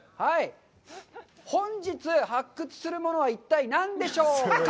本日、発掘するものは一体、何でしょうか！